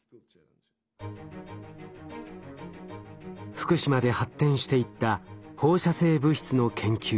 福島で発展していった放射性物質の研究。